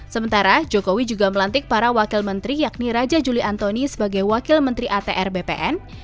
sementara jokowi juga melantik para wakil menteri yakni raja juli antoni sebagai wakil menteri atr bpn